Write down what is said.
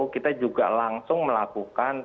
kita juga langsung melakukan